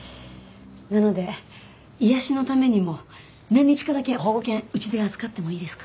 なので癒やしのためにも何日かだけ保護犬うちで預かってもいいですか？